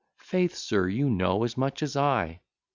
Faith, sir, you know as much as I.